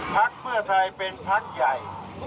พักเพื่อไทยเป็นพักใหญ่